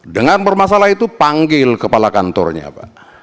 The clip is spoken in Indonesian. dengan bermasalah itu panggil kepala kantornya pak